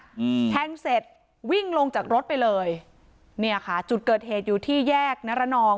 อืมแทงเสร็จวิ่งลงจากรถไปเลยเนี่ยค่ะจุดเกิดเหตุอยู่ที่แยกนรนอง